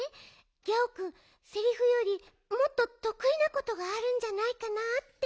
ギャオくんセリフよりもっととくいなことがあるんじゃないかなって。